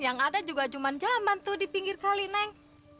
yang ada juga cuma zaman tuh di pinggir kali neng